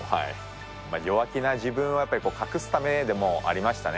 弱気な自分をやっぱり隠すためでもありましたね。